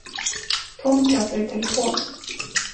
Tom pratar i telefon.